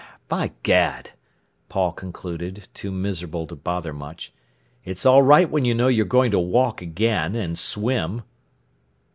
"By Gad!" Paul concluded, too miserable to bother much; "it's all right when you know you're going to walk again, and swim!"